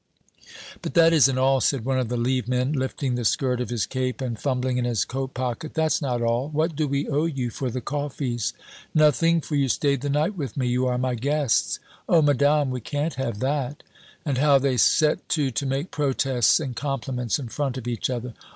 "'But that isn't all,' said one of the leave men, lifting the skirt of his cape and fumbling in his coat pocket; 'that's not all. What do we owe you for the coffees?' "'Nothing, for you stayed the night with me; you are my guests.' "'Oh, madame, we can't have that!' "And how they set to to make protests and compliments in front of each other!